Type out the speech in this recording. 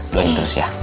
doain terus ya